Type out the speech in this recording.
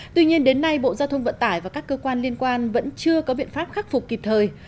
tuy nhiên đến nay bộ giao thông vận tải và các cơ quan liên quan vẫn chưa có biện pháp khắc phục kịp thời